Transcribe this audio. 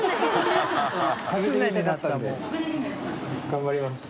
頑張ります。